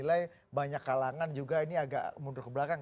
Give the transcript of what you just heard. nilai banyak kalangan juga ini agak mundur ke belakang